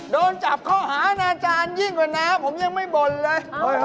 โดนจับข้อหาอาณาจารยิ่งกว่าน้าผมยังไม่บ่นเลย